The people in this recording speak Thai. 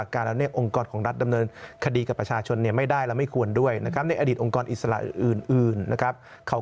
กรกตอดำเนินคดีกับประชาชนไม่ได้นะครับ